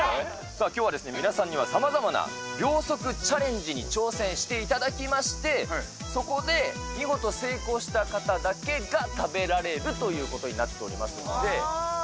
さあ、きょうは皆さんにさまざまな秒速チャレンジに挑戦していただきまして、そこで見事成功した方だけが食べられるということになっておりますんで。